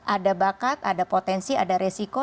ada bakat ada potensi ada resiko